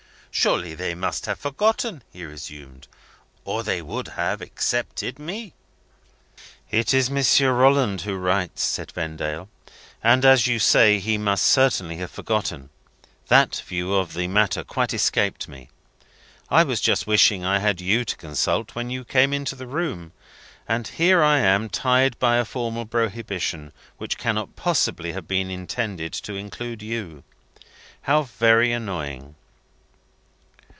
"Surely they must have forgotten?" he resumed, "or they would have excepted me?" "It is Monsieur Rolland who writes," said Vendale. "And, as you say, he must certainly have forgotten. That view of the matter quite escaped me. I was just wishing I had you to consult, when you came into the room. And here I am tried by a formal prohibition, which cannot possibly have been intended to include you. How very annoying!"